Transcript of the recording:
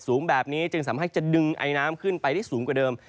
สูงแบบนี้จึงสามารถจะดึงไอน้ำขึ้นไปได้สูงกว่าเดิม